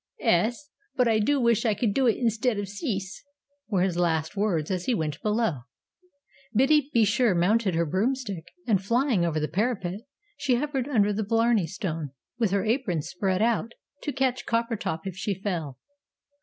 "'Es, but I do wish I could do it instead of Cece," were his last words as he went below. Biddy be sure mounted her broomstick, and, flying over the parapet, she hovered under the Blarney Stone with her apron spread out, to catch Coppertop if she fell.